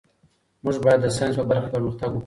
موږ باید د ساینس په برخه کې پرمختګ وکړو.